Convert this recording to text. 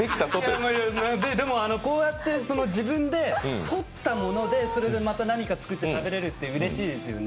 でもこうやって自分でとったもので何か作って食べれるってうれしいですよね。